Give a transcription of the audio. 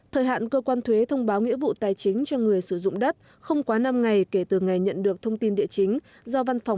thời hạn cơ quan thuế thông báo nghĩa vụ tài chính cho người sử dụng đất không quá năm ngày kể từ ngày nhận được thông tin địa chính do văn phòng đăng ký đất đai chuyển